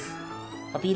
アピール